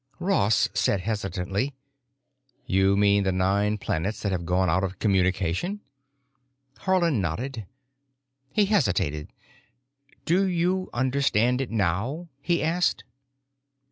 Ross said hesitantly, "You mean the nine planets that have gone out of communication?" Haarland nodded. He hesitated. "Do you understand it now?" he asked.